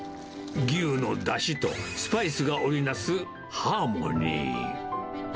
牛のだしとスパイスが織り成すハーモニー。